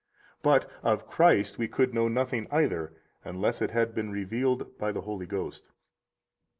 But of Christ we could know nothing either, unless it had been revealed by the Holy Ghost.